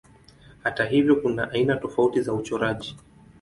Hata hivyo kuna aina tofauti za uchoraji.